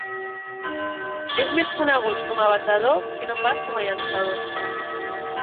És més conegut com a batedor que no pas com a llançador.